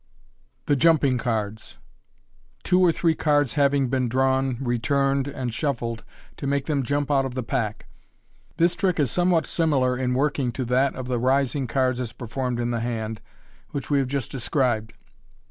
The Jumping Cards. — Two or three Cards hwing been DRAWN, RETURNED, AND SHUFFLED TO MAKE THEM JUMP OUT OF the Pack. — This trick is somewhat similar in working to that of the rising cards as performed in the hand, which we have just described.